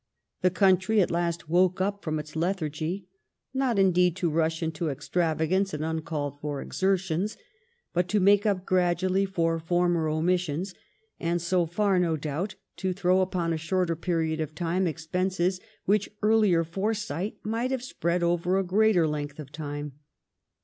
The country at last woke up from its lethargy, not, indeed, to rush into extrayagance and nncalled f or exertions, but to make up gradu ally for former omissions, and so far, no doubt, to throw upon a shorter period of time expenses which earlier foresight might haye spread oyer a greater length of time.